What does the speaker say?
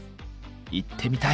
行ってみたい！